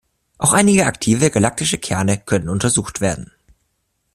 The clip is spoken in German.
Auch einige aktive galaktische Kerne können untersucht werden.